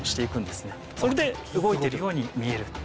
それで動いてるように見えるっていう。